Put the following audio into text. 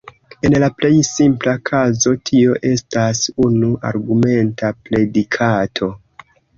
En la plej simpla kazo, tio estas unu-argumenta predikato.